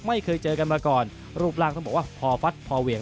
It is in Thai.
ไม่เคยเจอกันมาก่อนรูปร่างต้องบอกว่าพอฟัดพอเหวี่ยง